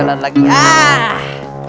jalan lagi ah